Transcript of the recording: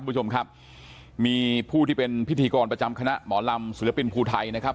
คุณผู้ชมครับมีผู้ที่เป็นพิธีกรประจำคณะหมอลำศิลปินภูไทยนะครับ